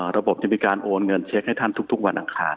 ระบบจะมีการโอนเงินเช็คให้ท่านทุกวันอังคาร